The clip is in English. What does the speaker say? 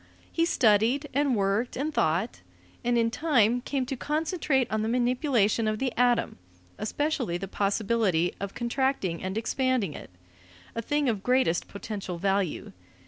He studied and worked and thought, and in time came to concentrate on the manipulation of the atom, especially the possibility of contracting and expanding it a thing of greatest potential value.